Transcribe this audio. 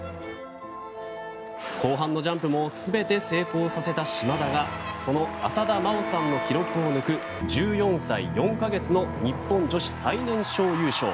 後半のジャンプも全て成功させた島田がその浅田真央さんの記録を抜く１４歳４か月の日本女子最年少優勝。